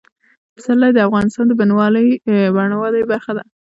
پسرلی د افغانستان د بڼوالۍ برخه ده.